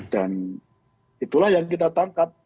itulah yang kita tangkap